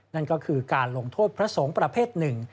นั่นก็คือการลงโทษพระสงฆ์ประเภทหนึ่ง